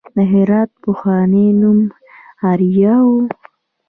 د هرات پخوانی نوم اریا و